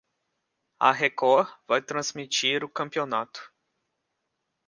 A Record vai transmitir o campeonato.